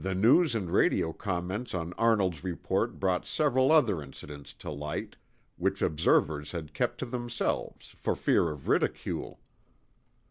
The news and radio comments on Arnold's report brought several other incidents to light, which observers had kept to themselves for fear of ridicule.